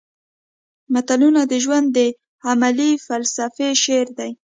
متلونه د ژوند د عملي فلسفې شعر دي